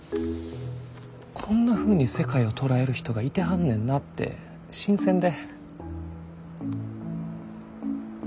こんなふうに世界を捉える人がいてはんねんなて新鮮で。